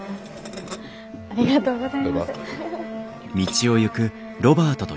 ありがとうございます。